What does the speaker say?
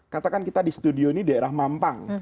katakan kita di studio ini daerah mampang